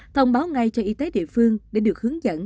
thông báo ngay cho y tế địa phương để được hướng dẫn